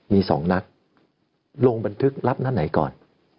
มี๒นัดลงบันทึกรับนัดไหนก่อน